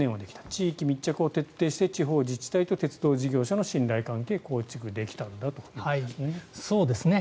地域密着を徹底して地方自治体と鉄道事業者の信頼関係を構築できたんだということですね。